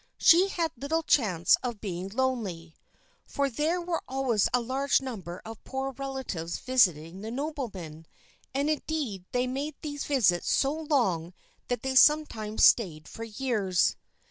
She had little chance of being lonely, for there were always a large number of poor relatives visiting the nobleman, and indeed they made these visits so long that they sometimes stayed for years.